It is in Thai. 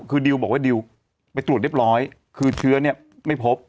คือดิวบอกว่าดิวไปตรวจเรียบร้อยคือเชื้อเนี่ยไม่พบ